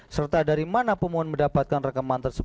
serta dari mana pemohon mendapatkan rekaman tersebut